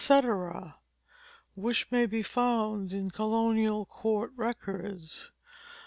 which may be found in colonial court records.